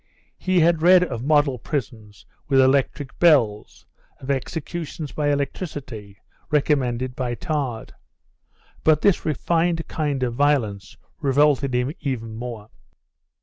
He had read of model prisons with electric bells, of executions by electricity, recommended by Tard; but this refined kind of violence revolted him even more.